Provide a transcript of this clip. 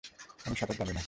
আমি সাঁতার জানি না।